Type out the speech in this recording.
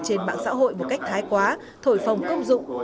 trên mạng xã hội một cách thái quá thổi phòng công dụng